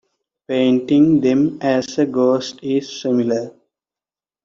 Painting them as a ghost is similar.